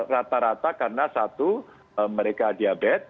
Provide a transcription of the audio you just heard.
rata rata karena satu mereka diabetes